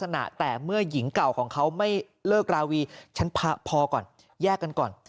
ณแต่เมื่อหญิงเก่าของเขาไม่เลิกราวีฉันพอก่อนแยกกันก่อน